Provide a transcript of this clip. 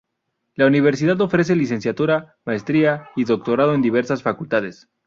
La universidad ofrece licenciatura, maestría y doctorado en diversas facultades.